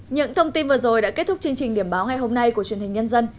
những thông tin vừa rồi đã kết thúc chương trình điểm báo ngày hôm nay của truyền hình nhân dân